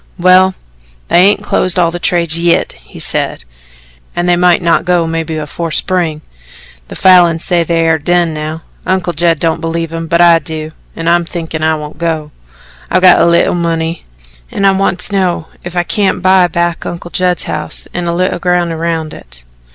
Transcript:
"Well, they hain't closed all the trades yit," he said, "an' they mought not go mebbe afore spring. The Falins say they air done now. Uncle Judd don't believe 'em, but I do, an' I'm thinkin' I won't go. I've got a leetle money, an' I want to know if I can't buy back Uncle Judd's house an' a leetle ground around it.